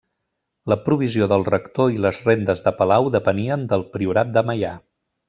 La provisió del rector i les rendes de Palau depenien del priorat de Meià.